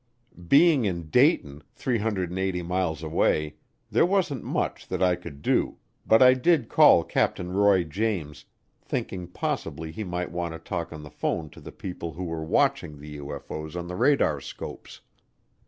Being in Dayton, 380 miles away, there wasn't much that I could do, but I did call Captain Roy James thinking possibly he might want to talk on the phone to the people who were watching the UFO's on the radarscopes.